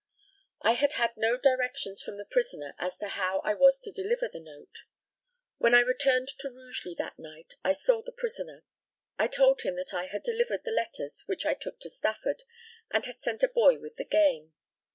I had had no directions from the prisoner as to how I was to deliver the note. When I returned to Rugeley that night I saw the prisoner. I told him that I had delivered the letters which I took to Stafford, and had sent a boy with the game.